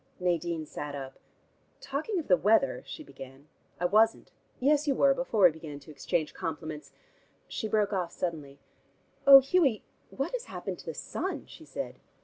Nadine sat up. "Talking of the weather " she began. "I wasn't." "Yes, you were, before we began to exchange compliments." She broke off suddenly. "Oh, Hughie, what has happened to the sun?" she said.